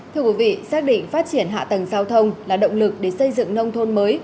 thưa quý vị xác định phát triển hạ tầng giao thông là động lực để xây dựng nông thôn mới